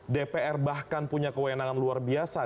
dpr bahkan punya kewenangan luar biasa